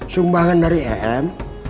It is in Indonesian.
sumbangan dari em